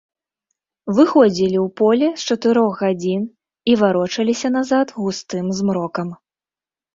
Выходзілі ў поле з чатырох гадзін і варочаліся назад густым змрокам.